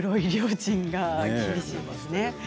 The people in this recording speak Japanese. ちんが厳しいですね。